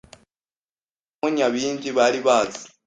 bahitamo Nyabingi bari bazi